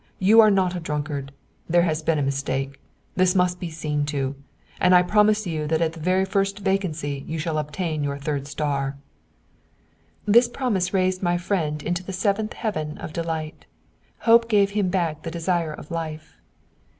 You are not a drunkard. There has been a mistake. This must be seen to. And I promise you that at the very first vacancy you shall obtain your third star.'" This promise raised my friend into the seventh heaven of delight. Hope gave him back the desire of life.